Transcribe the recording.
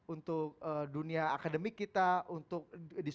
untuk dunia akademik kita untuk diskursus pemerintah